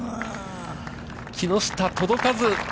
木下、届かず。